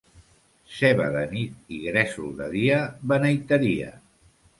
Ceba de nit i gresol de dia, beneiteria.